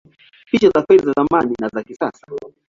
Picha za feri za zamani na za kisasa